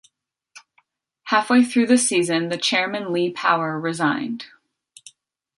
Halfway through the season the chairman, Lee Power, resigned.